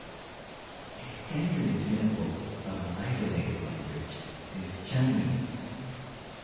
A standard example of an isolating language is Chinese.